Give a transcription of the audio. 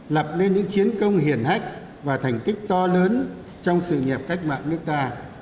lập nên những chiến công hiển hách và thành tích to lớn trong sự nghiệp cách mạng nước ta